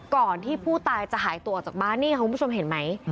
ก่อนที่ผู้ตายจะหายตัวออกจากบ้านนี่ค่ะคุณผู้ชมเห็นไหม